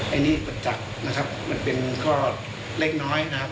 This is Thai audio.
อันนี้ประจักษ์นะครับมันเป็นข้อเล็กน้อยนะครับ